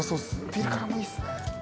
・ピリ辛もいいっすね。